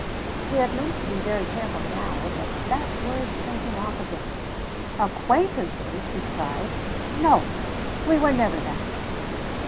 He had meant to be very careful now, but that word sent him off again. "Acquaintances!" he cried. "No, we were never that."